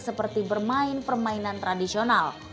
seperti bermain permainan tradisional